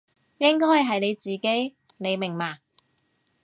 應該係你自己，你明嘛？